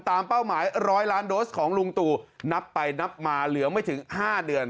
เป้าหมาย๑๐๐ล้านโดสของลุงตู่นับไปนับมาเหลือไม่ถึง๕เดือน